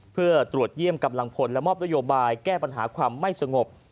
เพื่อตรวจเยี่ยมกำลังพลและมอบนโยบายแก้ปัญหาความไม่สงบ